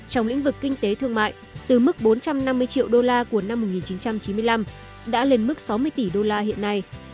trong lĩnh vực kinh tế thương mại từ mức bốn trăm năm mươi triệu đô la của năm một nghìn chín trăm chín mươi năm đã lên mức sáu mươi tỷ đô la hiện nay